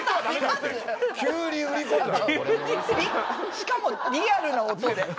しかもリアルな音で。